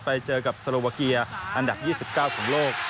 ไปเจอกับสโลวาเกียอันดับ๒๙ของโลก